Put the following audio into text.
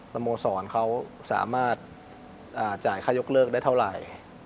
โมสรเขาสามารถจ่ายค่ายกเลิกได้เท่าไหร่